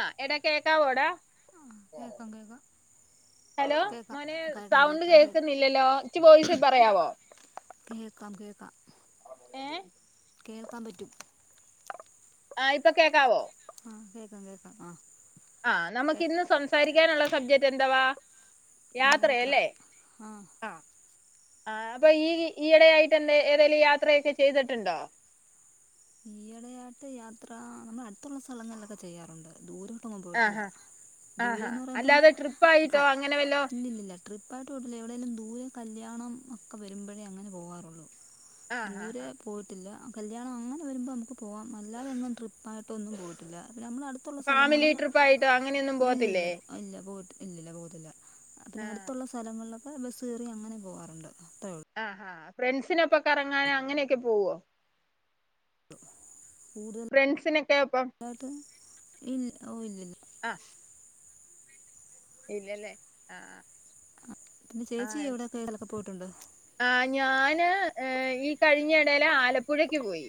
ആഹ്, എടാ കേക്കാവോടാ? കേക്കാം കേക്കാം. ഹലോ! മോനെ സൗണ്ട് കേൾക്കാം കേ- കേക്കുന്നില്ലല്ലോ? ഇച്ച് വോയിസ് പറയാവോ? കേക്കാം കേക്കാം ഏഹ് കേൾക്കാൻ പറ്റും. ആഹ്, ഇപ്പൊ കേൾക്കാവോ? ആഹ് കേക്കാം കേക്കാം. ആഹ് ആഹ്, നമുക്ക് ഇന്ന് സംസാരിക്കാനുള്ള സബ്ജക്ട് എന്തവാ? യാത്ര യാത്രയല്ലേ? ആ ആഹ്. ആഹ്, അപ്പൊ ഈ ഈയിടെയായിട്ട് എന്തെ ഏതെലും യാത്രയൊക്കെ ചെയ്തിട്ടുണ്ടോ? ഈയിടയായിട്ട് യാത്ര നമ്മൾ അടുത്തുള്ള സ്ഥലങ്ങളിലൊക്കെ ചെയ്യാറുണ്ട്. ദൂരോട്ടൊന്നും പോയിട്ടില്ല, ആഹാ ആഹാ ദൂരന്ന് പറയുമ്പം അല്ലാതെ ട്രിപ്പ് ആയിട്ടോ ക അങ്ങനെ വല്ലോ ഇല്ലില്ലില്ല. ട്രിപ്പയിട്ട് പോയിട്ടില്ല. ഇവിടെയല്ലാം ദൂരെം കല്യാണം ഒക്കെ വരുമ്പഴേ അങ്ങനെ പോവാറുള്ളൂ. ആഹാ ദൂരെ പോയിട്ടില്ല, കല്യാണം അങ്ങനെ വരുമ്പോ നമുക്ക് പോവാം. അല്ലാതൊന്നും ട്രിപ്പായിട്ടൊന്നും പോയിട്ടില്ല. അപ്പ നമ്മള അടു- ത്തുള്ള ഫാമിലി സ്ഥലങ്ങളില്, ട്രിപ്പ് ആയിട്ടോ അങ്ങനെയൊന്നും പോവത്തില്ലേ ഇല്ലില്ല ഇല്ല പോയിട്ട് ഇല്ലല്ല പോയിട്ടില്ല. പിന്നെ ആഹ് അടുത്തുള്ള സ് സ്ഥലങ്ങളിലൊക്കെ ബസ് കയറി അങ്ങനെ പോകാറുണ്ട്. അത്രയൊ- ആഹ് ആഹ്, ഫ്രണ്ട്സിനൊപ്പൊ കറങ്ങാന് അങ്ങനെയൊക്കെ പോവോ? ഫ്രണ്ട്സിനൊക്കെ ഒപ്പം കൂടുതലായിട്ട് ഇൽ ഓ ഇല്ലില്ല അഹ് ഇല്ലല്ലേ, അ ആഹ് ആഹ്, പിന്നെ ചേച്ചി ആഹ് എവിടെയക്കെ എവിടേ ലൊക്കെ പോയിട്ടുണ്ടോ? ആഹ്, ഞാന് ഏഹ് ഈ കഴിഞ്ഞ എടേല് ആലപ്പുഴേക്ക് പോയി.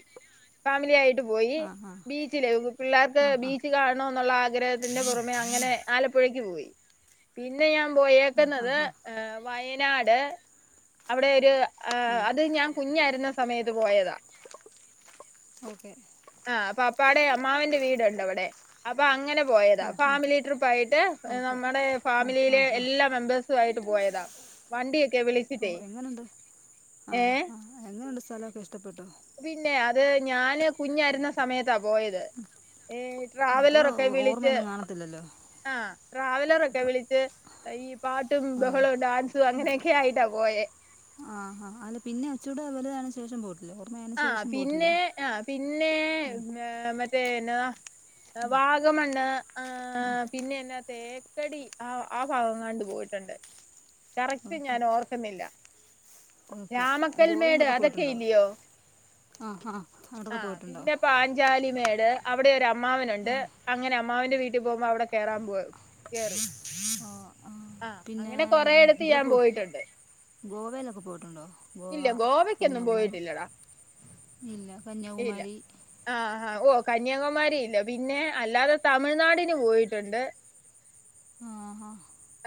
ഫാമിലി ആയിട്ട് പോയി ആ ആ ബീച്ചിലേ പിള്ളേർക്ക് ആ ആ ബീച്ച് കാണോന്നുള്ള ആഗ്രഹത്തിന്റെ പുറമേ അങ്ങനെ ആലപ്പുഴക്ക് പോയി പിന്നെ ഞാൻ ആ ആ പോയേക്കുന്നത് ആ ഏഹ് വയനാട് അവിടെ ഒരു ആ ഏഹ് അത് ഞാൻ കുഞ്ഞായിരുന്ന സമയത്ത് പോയതാ ഓക്കെ ആഹ് അപ്പൊ അപ്പാടെ അമ്മാവന്റെ വീടുണ്ട് അവിടെ അപ്പൊ അങ്ങനെ പോയതാ ആ ആ ഫാമിലി ട്രിപ്പായിട്ട് ഓക്കെ നമ്മുടെ ആ ആ ഫാമിലിയിലെ ആ എല്ലാ മെമ്പേഴ് സായിട്ട് പോയതാ വണ്ടിയൊക്കെ വിളിച്ച് ഓഹ് എങ്ങനെണ്ട് ആഹ് ആഹ് എങ്ങനെയുണ്ട് സ്ഥലൊക്കെ ഇഷ്ടപ്പെട്ടോ പിന്നെ അത് ഞാന് കുഞ്ഞായിരുന്ന സമയത്താ പോയത് ഏഹ് അപ്പോൾ ട്രാവലറൊക്കെ വിളിച്ച് ഓർമ്മയൊന്നും കാണത്തില്ലല്ലോ ആഹ് ട്രാവലറൊക്കെ അപ്പോൾ വിളിച്ച് ഈ പാട്ടും ആ ബഹളവും ഡാൻസും അങ്ങനെയൊക്കെ ആയിട്ടാ പോയേ ആഹ് ആഹ് അല്ല പിന്നെ ഒച്ചൂടെ വലുതായ ശേഷം പോട്ട ല്ല ഓർമ്മയ ആഹ് പിന്നെ ആഹ് പിന്നെ മറ്റേ എന്നതാ വാഗമണ്ണ് ആഹ് പിന്നെ എന്ന തേക്കടി ആഹ് ആ ഭാഗം എങ്ങാണ്ട് പോയിട്ടുണ്ട് കറക്റ്റ് ഓക്കെ ഞാൻ ഓർക്കുന്നില്ല ഓക്കെ രാമക്കൽമേട് അതൊക്കെ ഇല്ലയോ ആഹ് ആഹ് അങ്ങോട്ടൊക്കെ പോയിട്ടുണ്ടോ ജാലിമേട് അവിടെ ഒരു അമ്മാവനുണ്ട് അങ്ങനെ അമ്മാവന്റെ വീട്ടിൽ പോകുമ്പോ അവിടെ കയറാൻ പോകും കേറും ആഹ് ആ പിന്നേ അങ്ങനെ കൊറെയിടത്ത് ഇവിടെ ഞാൻ പോ പോയിട്ടുണ്ട് ഗോവയിലൊക്കെ പോയിട്ടുണ്ടോ ഗോവ ഇല്ല ഗോവക്കൊന്നും കന്യാകുമാരി പോയിട്ടില്ലടാ ഇല്ല ഇല്ല കന്യാകുമാരി ആഹ് ആഹ് ഓഹ് കന്യാകുമാരി ഇല്ല പിന്നെ അല്ലാതെ തമിഴ്നാടിന് പോയിട്ടുണ്ട് ആഹ് ഹാ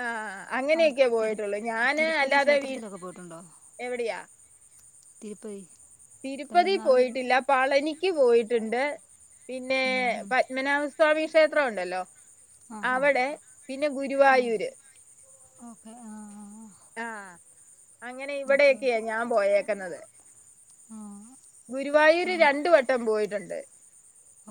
ആഹ് അങ്ങനെയൊക്കെ പോയിട്ടുള്ളു ഞാന് തിരുപ്പതി അല്ലാതെ വീ ക്ഷേത്രത്തിലൊക്കെ എവിടെയാ തിരുപ്പെഴി തിരുപ്പതി പോയിട്ടില്ല പളനിക്ക് പോയിട്ടുണ്ട് പിന്നെ ഉം, ഉം. പത്മനാഭ സ്വാമി ക്ഷേത്രം ഉണ്ടല്ലോ ആ ആ അവിടെ പിന്നെ ആ. ഗുരുവായൂര് ഓക്കെ ആഹ് ആഹ് ആഹ് ആഹ് അങ്ങനെ ഇവിടെ ഒക്കെയ ഞാൻ പോയേക്കുന്നത് ആഹ് ഗുരുവായൂര് രണ്ട് വട്ടം പോയിട്ടുണ്ട്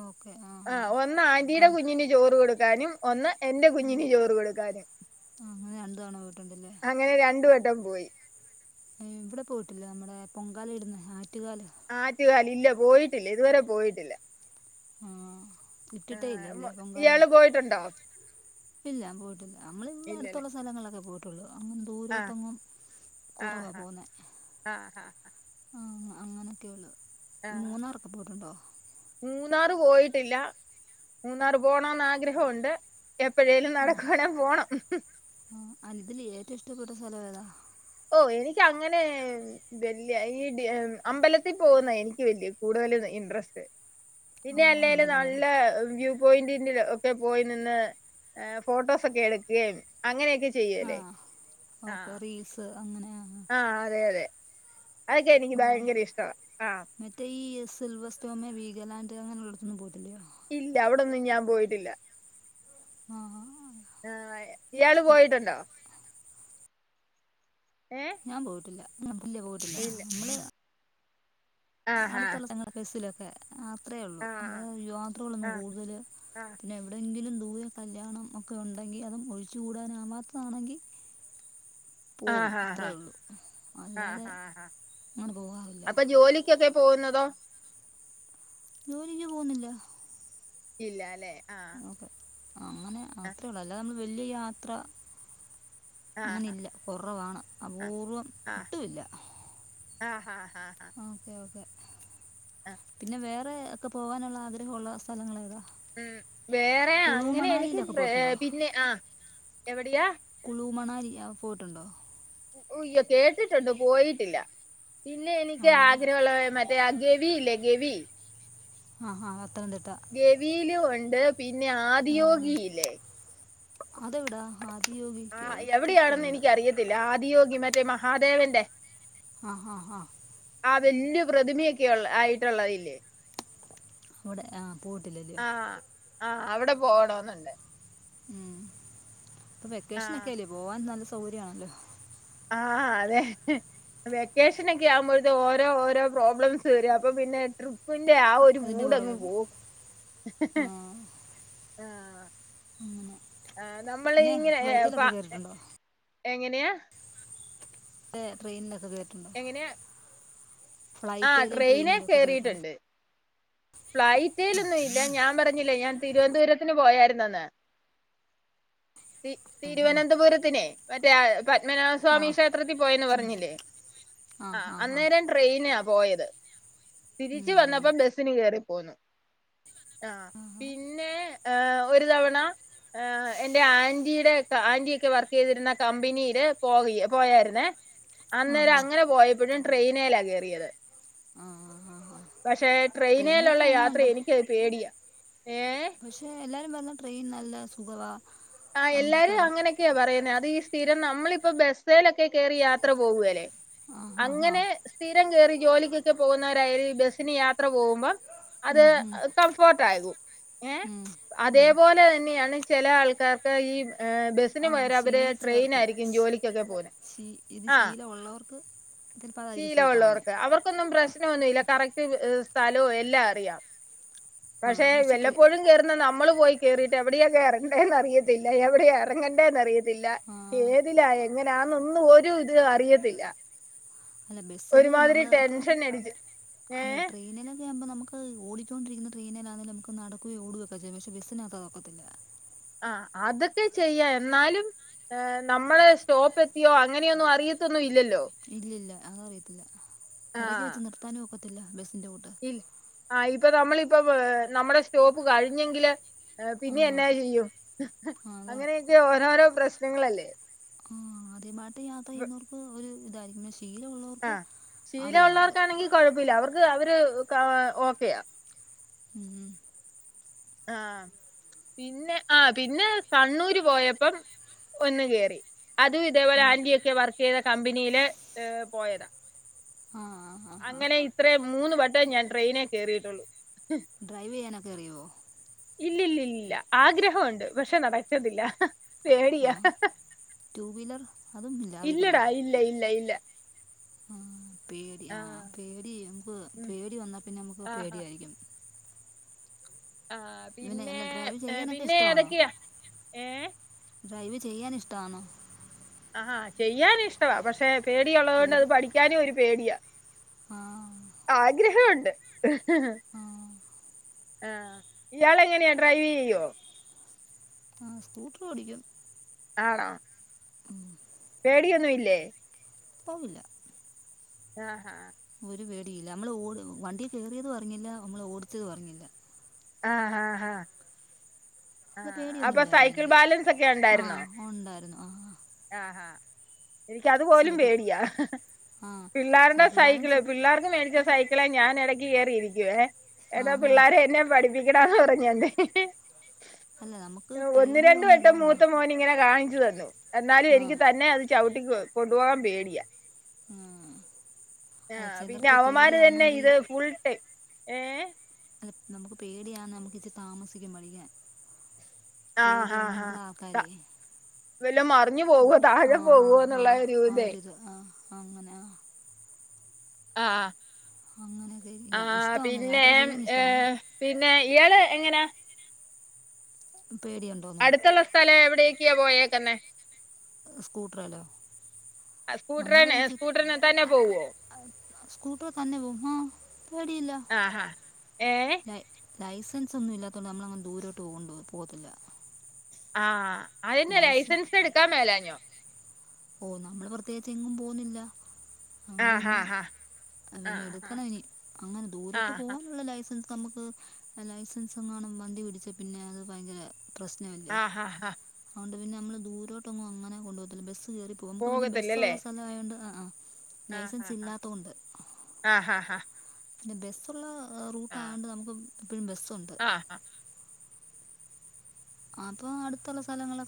ഓക്കെ ആഹ് ആഹ് ഒന്ന് ആന്റീടെ കുഞ്ഞിന് ചോറ് കൊടുക്കാനും ഒന്ന് എന്റെ കുഞ്ഞിന് ചോറ് കൊടുക്കാനും ആ, അങ്ങനെ രണ്ട് തവണ പോയിട്ടുണ്ടല്ലേ അങ്ങനെ രണ്ടു വട്ടം പോയി ഏഹ് ഇവിടെ പോയിട്ടില്ലേ നമ്മുടെ പൊങ്കാല ഇടുന്ന ആറ്റുകാല് ആറ്റുകാല് ഇല്ല പോയിട്ടില്ല ഇതുവരെ പോയിട്ടില്ല ആഹ് ഇട്ടിട്ടേ ആഹ് ഇല്ലല്ലേ പൊങ്കാല ഇയാള് പോയിട്ടുണ്ടോ ഇല്ല പോയിട്ടില്ല നമ്മള് ഇങ്ങ ഇല്ലല്ലേ അടുത്തുള്ള സ്ഥലങ്ങളൊക്കെ പോയിട്ട് ട്ടൊള്ളൂ അങ്ങ് ആഹ് ദൂരോട്ടൊന്നും കൊറവ ആഹ് പോകുന്നേ ആഹ് ആഹ് അങ്ങനെയൊക്കെയൊള്ളൂ ആഹ് മൂന്നാറൊക്കെ പോയിട്ടുണ്ടോ? മൂന്നാറ് പോയിട്ടില്ല മൂന്നാറ് പോണോന്ന് ആഗ്രഹണ്ട് എപ്പഴേലും നടക്കുവാണെ പോണം ആഹ് അനിതിൽ ഏറ്റവും ഇഷ്ടപ്പെട്ട സ്ഥലം ഏതാ ഓഹ് എനിക്ക് അങ്ങനെ വല്യ ഈ അമ്പലത്തിൽ പോകുന്ന എനിക്ക് വല്യ കൂടുതലും ഇന്ട്രസ്റ്റ് ഓ പിന്നെ അല്ലേലും അമ്പലങ്ങൾ നല്ല വ്യൂ പോയിന്റി ഒക്കെ പോയി നിന്ന് ഫോട്ടോസൊക്കെ എടുക്കുകയും അങ്ങനെയൊക്കെ ചെയ്യല്ലേ ആഹ് ഓക്കെ ആഹ് റീൽസ് അങ്ങനെയാന്ന് ആഹ് അതെ അതെ അതൊക്കെ എനിക്ക് ഓ ഭയങ്കര ഇഷ്ടമാണ് ആഹ് മറ്റേ സിൽവർ സ്റ്റോമ വീഗലാൻഡ് അങ്ങനെുള്ളള്ളടത്തൊന്നും പോയിട്ടില്ലയോ ഇല്ല അവിടൊന്നും ഞാൻ പോയിട്ടില്ല ആഹ് ആഹ് ആഹ് ഇയാള് പോയിട്ടുണ്ടോ ഏഹ് ഞാൻ പോയിട്ടില്ല പോയിട്ടില്ല പോയിട്ടില്ല നമ്മള് ആഹാ അടുത്തുള്ള [unintelligible] സ് ല് ക്കെ അത്രയേ ഉള്ളൂ അല്ല ആഹ് യാത്രകളൊന്നും ആഹ് കൂടുതൽ ആഹ് പിന്നെ എവിടെയെങ്കിലും ദൂരെ കല്യാണം ഒക്കെ ഉണ്ടെങ്കിൽ അതും ഒഴിച്ചുകൂടാനാവാത്തതാണെങ്കിൽ [inaudible] ആഹ് ഹാ ഹാ അല്ലാതെ ആഹ് ഹാ അങ്ങനെ പോകാറില്ല അപ്പ ജോലിക്ക് ക്കൊക്കെ പോകുന്നതോ ജോലിക്ക് പോകുന്നില്ല ഇല്ലാല്ലെ ഓക്കെ അങ്ങനെ അത്രേ ഉള്ളൂ അല്ലാതെ നമ്മള് വലിയ യാത്ര ആഹ് ആഹ് അങ്ങനില്ല കുറവാണ് അപൂർവ്വം ഒട്ടുമില്ല ആഹ് ഹാ ഹാ ആഹ് ഓക്കേ ഓക്കെ പിന്നെ വേറെ ഒക്കെ പോവാനുള്ള ആഗ്രഹമുള്ള സ്ഥലങ്ങൾ ഏതാ ഉം വേറെ കുളു അങ്ങനെ എനിക്ക് മണാലിയിലൊക്കെ പോയിട്ടുണ്ടോ പിന്നെ ആഹ് എവിടെയാ കുളൂ മണാലി പോയിട്ടുണ്ടോ അയ്യോ കേട്ടിട്ടുണ്ട് പോയിട്ടില്ല പിന്നെ ആ എനിക്ക് ആഗ്രഹമുള്ള മറ്റ ഗെവി ഇലേ ഗെവി ആഹാ പത്തനംതിട്ട ഗവിലു ഉണ്ട് പിന്നെ ആദിയോഗില്ലേ അതെവിടെ ആതിയോഗി ആ എവിടെയാണെന്ന് കേട്ടിട്ടുണ്ട് എനിക്കറിയത്തില്ല ആദിയോഗി മറ്റേ മഹാദേവന്റെ ആഹ് ആഹ് വല്യ പ്രതിമയൊക്കെയുള്ള ആയിട്ടുള്ളതില്ലേ അവിടെ ആഹ് പോയിട്ടിലല്ലിയോ ആഹ് ആഹ് അവിടെ പോകണെന്നുണ്ട് ഉം ഇപ്പൊ ആഹ് വെക്കേഷനൊക്കെല്ലേ പോവാൻ നല്ല സൗകര്യമാണല്ലോ ആഹ് അതെ വെക്കേഷൻ ഒക്കെ ആവുമ്പോഴത്തേക്ക് ഓരോ ഓരോ പ്രോബ്ലംസ് വരും അപ്പൊ പിന്നെ ട്രിപ്പ്‌ ന്റെ ആഹ് അ- ഒരു അതിൻ്റെ മൂടങ്ങ് പുറകെ പോകും ആ, അങ്ങനെ ആഹ് നമ്മൾ പിന്നെ ഇങ്ങനെ ഏ ഫ്ലൈറ്റിലൊക്കെ ഫ കയറിയിട്ടുണ്ടോ എങ്ങനെയാ ട്രെയിനിലൊക്കെ കേറിയിട്ടുണ്ട് അങ്ങനെ ആഹ് ഫ്ലൈറ്റിലും ട്രെയിനേ ട്രെയിനിലും ഒക്കെ കയറിയിട്ടുണ്ട് കേറീട്ടുണ്ട് ഫ്ലൈറ്റിൽ ഒന്നും ഇല്ല ഞാൻ പറഞ്ഞില്ലേ ഞാൻ തിരുവനന്തപുരത്തിന് പോയായിരുനെന്ന് തി ഉം, ഉം. തിരുവനന്തപുരത്തിനെ മറ്റേ പത്മനാഭ ആ സ്വാമി ക്ഷേത്രത്തിൽ പോയന്ന് പറഞ്ഞില്ലേ ആ ആഹ് ആ ആ അന്നേരം ട്രെയിനാ പോയത് ഉം, തിരിച്ച് ഉം. വന്നപ്പോ ബസിന് കേറി പോന്നു ആഹ് പിന്നെ ഒരു തവണ എന്റെ ആന്റിയുടെ ആന്റി ഒക്കെ വർക്ക് ചെയ്തിരുന്ന കമ്പനിയില് പോ പോയായിരുന്നേ ആ അന്നേരം ആ അങ്ങനെ പോയപ്പോഴും ട്രെയിനേല്ലാ കേറിയത് ആഹ് ആഹ് ആഹ് ആഹ് പക്ഷേ ട്രെയിനേലുള്ള യാത്ര എനിക്ക് പേടിയ ഏഹ് പക്ഷെ എല്ലാരും പറയുന്നേ ട്രെയിൻ നല്ല സുഖവാ ആഹ് നമുക്ക് എല്ലാരും കിടന്ന് അങ്ങനെ ക്കെയ പറയുന്നെ അത് ഈ സ്ഥിരം നമ്മളിപ്പ ബസേലോക്കെ കയറി യാത്ര പോകുകല്ലേ ആ ഹാ ഹാ അങ്ങനെ സ്ഥിരം കേറി ജോലിക്കൊക്കെ പോകുന്നവരായാലും ഈ ബസ്സിന് യാത്ര പോകുമ്പോം അത് ഉം, ഉം, കംഫോർട്ട് ആയത് ഏ ഉം, ഉം. അതേപോലെ തന്നെയാണ് ചില ആൾക്കാർക്ക് ഈ ബസ് സിന് ആ പകരം അവര് ശീലിച്ചവർക്ക് ട്രെയിനാരിക്കും ജോലിക്കൊക്കെ പോന്ന ആ ഉള്ളവർക്ക് അതിൽ പറ ശീലമുള്ളവർക്ക് അവർക്കൊന്നും പ്രശ്നമൊന്നുമില്ല കറക്റ്റ് സ്ഥലോ എല്ലാം അറിയാം ആ പക്ഷെ ട്രെ വല്ലപ്പോഴും കേറുന്ന ന്ന നമ്മള് പോയി കേയറിയിട്ട് എവിടെയൊക്കെ കേറണ്ടേന്ന് അറിയത്തില്ല എവിടെ ഇറങ്ങണ്ടേന്ന് അറിയത്തില്ല ആ ത്തില്ല ഏതിലാ എങ്ങനാന്നൊന്നും ഒരു ഇത് അറിയത്തില്ല അല്ല ബസ്സില് ഒരുമാതിരി നമ്മള് ഇപ്പ ടെൻഷൻ അടിച്ച് അല്ല ഏഹ് ട്രെയിനിലൊക്കെ ആവുമ്പോൾ നമുക്ക് ഓടിക്കൊണ്ടിരിക്കുന്ന ട്രെയിനിലാണേൽ നമുക്ക് നടക്കുകയും ഓടുകയും ഒക്കെ ചെയ്യാം പക്ഷെ ബസ്സിനകത്തതോക്കത്തില്ല ആ അതൊക്കെ ചെയ്യാം എന്നാലും നമ്മള് സ്റ്റോപ്പ് എത്തിയോ അങ്ങനെയൊന്നും അറിയത്തൊന്നും ഇല്ലല്ലോ ഇല്ല ഇല്ല അതറിയത്തില്ല ഇടയ്ക്ക് വച്ച് നിർത്താനും ഒക്കത്തില്ല ബസ്സിൻ്റെ കൂട്ട് ആ ഇപ്പ നമ്മളിപ്പ നമ്മുടെ സ്റ്റോപ്പ് കഴിഞ്ഞെങ്കില് ആ പിന്നെ എഎന്നാ ചെയ്യും ആ, അതാ അങ്ങനെയൊക്കെ ഓരോരോ പ്രശ്നങ്ങളല്ലേ ആ ആദ്യമായിട്ട് യാത്ര ചെയ്യുന്നവർക്ക് ഒരു ഇതായിരിക്കും പിന്നെ ശീലമുള്ളവർക്ക് അറിയാം അവർക്ക് കുഴപ്പമില്ല അവർക്ക് അവര് ഓക്കെയാ മ്മ് മ്മ് ആഹ പിന്നെ ആ പിന്നെ കണ്ണൂര് പോയപ്പം ഒന്ന് കേറി അതും ഇതേപോലെ ഉം. ആന്റി ഒക്കെ വർക്ക് ചെയ്ത കമ്പനില് ഏ പോയതാണ് ആഹ അങ്ങനെ ഇത്രേ മൂന്ന് വട്ടേ ഞാൻ ട്രെയിനേ കയറിയിട്ടുള്ളു ഡ്രൈവ് ചെയ്യാനൊക്കെ അറിയുമോ ഇല്ലില്ലില്ല ആഗ്രഹമുണ്ട് പക്ഷെ നടക്കത്തില്ല പേടിയാ, ടു വീലർ അതും ഇല്ല അറിയതില്ല, ഇല്ലടാ ഇല്ല ഇല്ല ഇല്ല, ആഹ് പേടി ആഹ് പേടി നമക്ക് ഉം പേടി വന്നാൽ പിന്നെ നമുക്ക് ആഹ് പേടിയായിരിക്കും, ആഹ് പിന്നെ അല്ല ഡ്രൈവ് ചെയ്യാനൊക്കെ പിന്നെ ഇഷ്ടമാണോ ഏതൊക്കെയാ? ഏഹ് ഡ്രൈവ് ചെയ്യാൻ ഇഷ്ടാണോ? ആഹ് ചെയ്യാനിഷ്ടവാ പക്ഷെ പേടിയൊള്ളത് കൊണ്ട് അത് പഠിക്കാനും ഒരു പേടിയാ, ആഹ്, ആഗ്രഹംണ്ട്, ആ ആഹ് ഇയാൾ എങ്ങനെയാ ഡ്രൈവ് ചെയ്യോ? ആ് സ്കൂട്ടർ ഓടിക്കും, ആണോ? ഉം പേടിയൊന്നുംല്ലേ? പോകില്ല, ആഹ് ആഹ് ഒരു പേടിയില്ല നമ്മള് ഓ വണ്ടി കേറിയതും അർഞ്ഞില്ല നമ്മള് ഓടിച്ചതും അർഞ്ഞില്ല, ആഹ് ആഹ് അല്ല ആഹ്, അപ്പൊ സൈക്കിൾ ബാലൻസ് ഒക്കെ ഉണ്ടായിരുന്നോ? ഓഹ് ണ്ടായിരുന്നു ആഹ്, ആഹ് ഹ എനിക്കതുപോലും സൈക്കിൾ പേടിയാ, ആ പിള്ളേരുടെ സൈക്കിൾ സൈക്കിള് ബാലൻസ് പിള്ളേർക്ക് മേടിച്ച സൈക്കി മക്കളെ ഞാൻ ഇടക്ക് കേയറിയിരിക്കുവെ ആ ഏതോ ആ പിള്ളോര് എന്നെ പഠിപ്പിക്കടാന്ന്, പറഞ്ഞണ്ട് അല്ല നമുക്ക് ഒന്ന് രണ്ടു വട്ടം പേടിയുണ്ടോന്നാ മൂത്ത മോന് ഇങ്ങനെ കാണിച്ചു തന്നു, എന്നാലും ആ എനിക്ക് തന്നെ അത് ചവിട്ടി കൊണ്ടുപോകാൻ പേടിയ, ആഹ്, ആ പിന്നെ അവമാര് തന്നെ ഇത് ഫുൾ ടൈമ് ഏ അല്ല നമുക്ക് പേടിയാന്ന് നമുക്ക്ച്ചിരി താമസിക്കും പടിക്കാൻ, പേടി ഒന്ള്ള ആൾക്കാരെ വല്ല മറിഞ്ഞു പോകോ താഴെ പോകു എന്നുള്ള ഒരു ഇതേ, ആഹ് അങ്ങനെ, അ അങ്ങനെയൊക്കെ ആ യാ- ആ ഇഷ്ടമാണോ പിന്നെ യാത്ര ചെയ്യാൻ ഇഷ്ടമാണോ ഏഹ് പിന്നെ ഇയാള് എങ്ങനാ പേടിയുണ്ട്, അടുത്തുള്ള സ്ഥലം എവിടയേക്കെയാ പോയേക്കന്നെ? സ്കൂട്ടറേലൊ? സ്കൂട്ടറിന് സ്കൂട്ടറിന് തന്നെ പോവോ സ്കൂട്ടർ തന്നെ പോവും ആഹ് പേടിയില്ല, ആഹാ ഏഹ്, ലൈ ലൈസൻസൊന്നും ഇല്ലാത്തൊണ്ട് നമ്മളങ്ങനെ ദൂരോട്ട് പോ കൊണ്ടു പോകത്തില്ല, ആഹ് അതന്നെ ലൈസൻസ് എടുക്കാൻ മേലാഞ്ഞോ? ഓഹ്, നമ്മള് പ്രത്യേകിച്ച എങ്ങും പോന്നില്ല, ആ അതുകൊണ്ട് ഹാ പിന്നെ ഹാ ആ പിന്നെ ഹാ എടുക്കണം ഇനി അങ്ങനെ ആ ദൂരോട്ട് ഹാ പോകാനുള്ള ലൈസൻസ്, നമുക്ക് ലൈസൻസങ്ങാനും വണ്ടി പിടിച്ച പിന്നെ അത് ഭയങ്കര, പ്രശ്നമല്ലേ ആ ഹാ ഹാ അതുകൊണ്ട് പിന്നെ നമ്മള് ദൂരോട്ടൊങ്ങും അങ്ങനെ കൊണ്ടു പോകത്തില്ല ബസ്സ് കേറി, നമുക്ക് പിന്നെ ബസ് പോകത്തില്ലല്ലേ ഉള്ള സ്ഥല ആയൊണ്ട് ആഹ് ആഹ്, ആഹ് ലൈസൻസ് ആഹ് ഇല്ലാത്ത കൊണ്ട്, ആഹ് ആഹ് ആഹ് പിന്നെ ബസ്സുള്ള റൂട്ടായ ആഹ് കൊണ്ട് നമുക്ക് എപ്പഴും ബസ്സുണ്ട്, ആഹ് അപ്പൊ അടുത്തുള്ള സ്ഥലങ്ങളൊക്കെ,